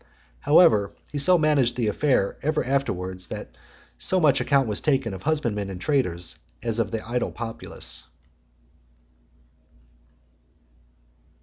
However, he so managed the affair ever afterwards, that as much account was taken of husbandmen and traders, as of the idle populace.